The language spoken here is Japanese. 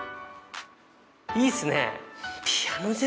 いいっすね。